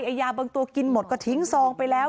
ยาบางตัวกินหมดก็ทิ้งซองไปแล้ว